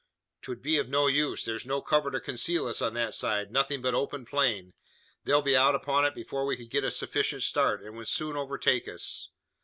"'Twould be of no use. There's no cover to conceal us, on that side nothing but open plain. They'll be out upon it before we could get a sufficient start, and would soon overtake us.